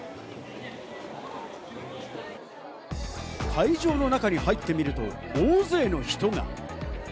会場の中に入ってみると、大勢の人が。